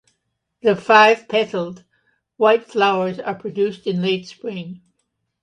The five-petalled white flowers are produced in late spring.